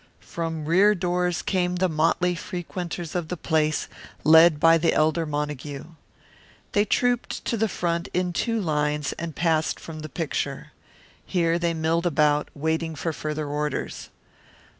From rear doors came the motley frequenters of the place, led by the elder Montague. They trooped to the front in two lines and passed from the picture. Here they milled about, waiting for further orders.